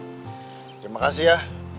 terima kasih ya